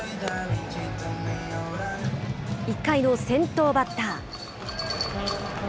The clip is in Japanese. １回の先頭バッター。